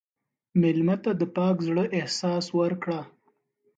مېلمه ته د پاک زړه احساس ورکړه.